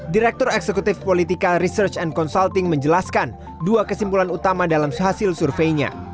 direktur eksekutif politika research and consulting menjelaskan dua kesimpulan utama dalam hasil surveinya